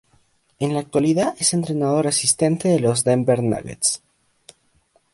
En la actualidad es entrenador asistente de los Denver Nuggets.